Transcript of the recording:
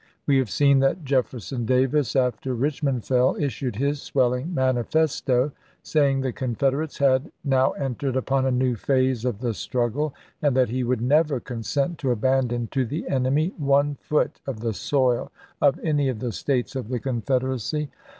We have seen that Jefferson Davis, after Richmond fell, issued his swelling mani festo, saying the Confederates had "now entered upon a new phase of the struggle," and that he would " never consent to abandon to the enemy one foot of Sherman to ^e so^ °^ any °^ tne States °' the Confederacy."